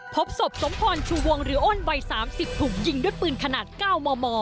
พบศพสมพรชูวงหรืออ้นวัย๓๐ถูกยิงด้วยปืนขนาด๙มม